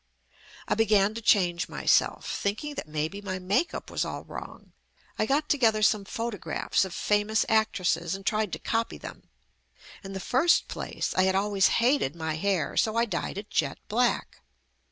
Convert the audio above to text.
I began to change my self, thinking that maybe my makeup was all JUST ME wrong. I got together some photographs of famous actresses and tried to copy them. In the first place, I had always hated my hair, so I dyed it jet black.